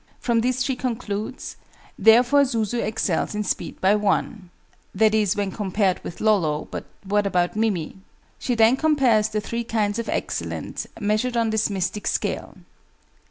From this she concludes "therefore Zuzu excels in speed by 1" (i.e. when compared with Lolo; but what about Mimi?). She then compares the 3 kinds of excellence, measured on this mystic scale.